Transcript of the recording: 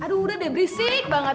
aduh udah deh berisik banget